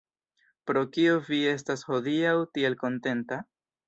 Pro kio vi estas hodiaŭ tiel kontenta?